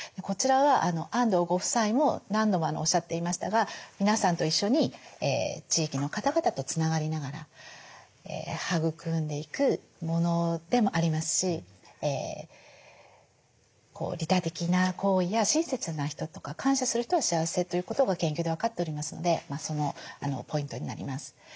こちらは安藤ご夫妻も何度もおっしゃっていましたが皆さんと一緒に地域の方々とつながりながら育んでいくものでもありますし利他的な行為や親切な人とか感謝する人は幸せということが研究で分かっておりますのでそのポイントになります。